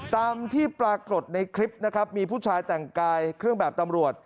ตามที่ปรากฏในคลิปนะครับมีผู้ชายแต่งกายเครื่องแบบตำรวจ